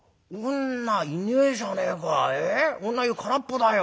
女湯空っぽだよ。